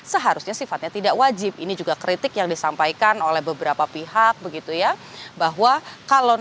seharusnya sifatnya tidak wajib ini juga kritik yang disampaikan oleh beberapa pihak